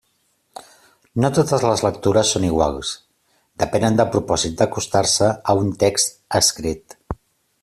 No totes les lectures són iguals, depenen del propòsit d'acostar-se a un text escrit.